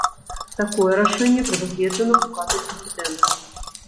Такое рашэнне прадугледжана ўказам прэзідэнта.